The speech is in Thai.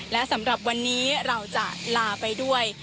และสำหรับวันนี้เราจะลาไปด้วย